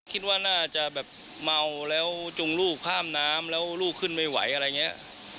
คิดว่าน่าจะแบบเมาแล้วจุงลูกข้ามน้ำแล้วลูกขึ้นไม่ไหวอะไรอย่างนี้